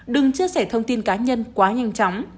đừng chia sẻ thông tin cá nhân quá nhanh chóng